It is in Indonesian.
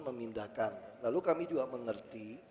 memindahkan lalu kami juga mengerti